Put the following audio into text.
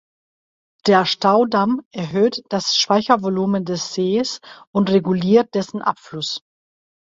Der Staudamm erhöht das Speichervolumen des Sees und reguliert dessen Abfluss.